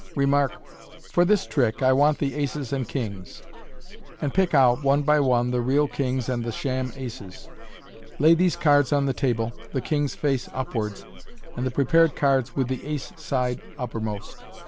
Remark, " For this trick I want the aces and kings," and pick out, one by one, the real kings and the sham aces. Lay these cards on the table, the kings face upwards, and the prepared cards with the "ace" side uppermost.